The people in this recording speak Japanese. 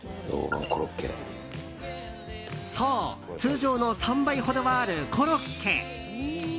そう、通常の３倍ほどはあるコロッケ。